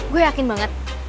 gue yakin banget